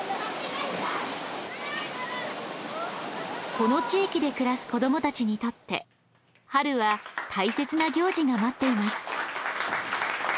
この地域で暮らす子どもたちにとって春は大切な行事が待っています。